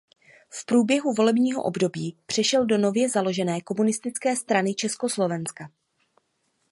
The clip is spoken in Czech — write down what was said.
V průběhu volebního období přešel do nově založené Komunistické strany Československa.